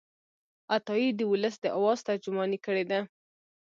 عطايي د ولس د آواز ترجماني کړې ده.